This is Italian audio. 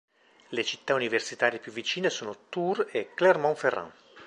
Le città universitarie più vicine sono Tours e Clermont-Ferrand.